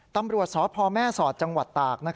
ตำรวจสพแม่สอดจังหวัดตาก